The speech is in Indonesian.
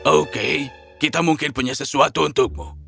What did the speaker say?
oke kita mungkin punya sesuatu untukmu